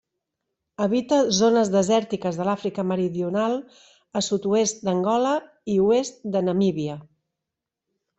Habita zones desèrtiques de l'Àfrica Meridional, a sud-oest d'Angola i oest de Namíbia.